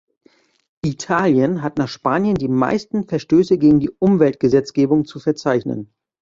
Italien hat nach Spanien die meisten Verstöße gegen die Umweltgesetzgebung zu verzeichnen.